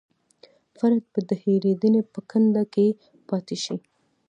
فرد به د هېرېدنې په کنده کې پاتې شي.